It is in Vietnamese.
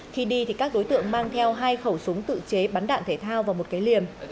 khi đi thì các đối tượng mang theo hai khẩu súng tự chế bắn đạn thể thao và một cái liềm